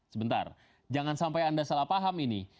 sebentar jangan sampai anda salah paham ini